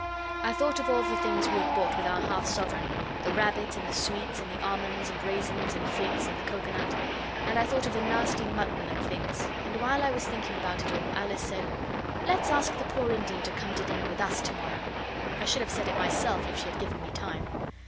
I thought of all the things we had bought with our half sovereign the rabbit and the sweets and the almonds and raisins and figs and the coconut: and I thought of the nasty mutton and things, and while I was thinking about it all Alice said 'Let's ask the poor Indian to come to dinner with us to morrow.' I should have said it myself if she had given me time.